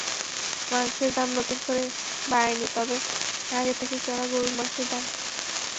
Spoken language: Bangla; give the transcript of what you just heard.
মাংসের দাম নতুন করে বাড়েনি, তবে আগে থেকেই চড়া গরুর মাংসের দাম।